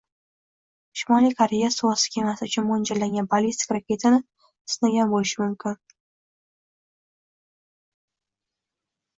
Shimoliy Koreya suvosti kemasi uchun mo‘ljallangan ballistik raketani sinagan bo‘lishi mumkin